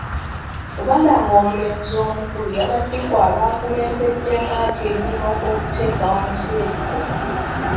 Muganda wange omulenzi omukulu yabadde ku abaakulembeddemu akeediimo k'okuteeka wansi ebikola.